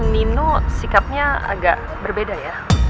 nino sikapnya agak berbeda ya